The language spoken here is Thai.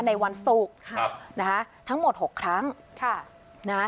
ในวันสุกนะฮะทั้งหมด๖ครั้งนะฮะ